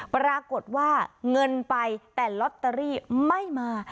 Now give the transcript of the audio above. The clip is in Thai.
ปรากฏว่าเงินไปแต่ลอตเตอรี่ไม่มา